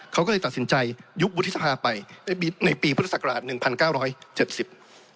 เขาก็เลยตัดสินใจยุบวุฒิสภาไปในปีพุทธศักราชหนึ่งพันเก้าร้อยเจ็ดสิบ